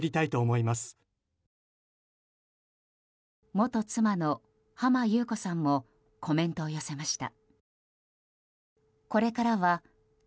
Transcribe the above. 元妻の浜木綿子さんもコメントを寄せました。